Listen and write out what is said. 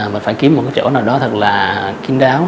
mình phải kiếm một chỗ nào đó thật là kinh đáo